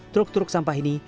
truk truk sampah ini